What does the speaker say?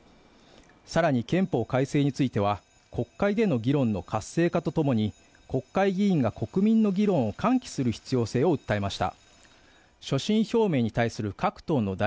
更に憲法改正については、国会での議論の活性化とともに国会議員が国民の議論を喚起する必要性を訴えました。